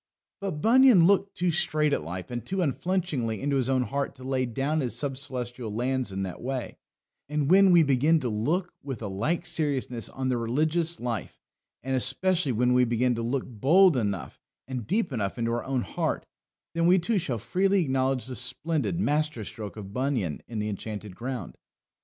But Bunyan looked too straight at life and too unflinchingly into his own heart to lay down his sub Celestial lands in that way; and when we begin to look with a like seriousness on the religious life, and especially when we begin to look bold enough and deep enough into our own heart, then we too shall freely acknowledge the splendid master stroke of Bunyan in the Enchanted Ground.